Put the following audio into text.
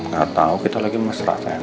gak tau kita lagi masrah sayang